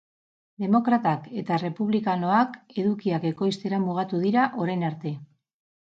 Demokratak eta errepublikanoak edukiak ekoiztera mugatu dira orain arte.